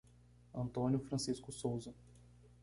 Antônio Francisco Souza